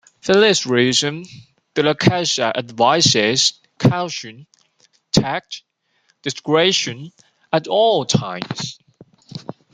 For this reason, Della Casa advises caution, tact, and discretion at all times.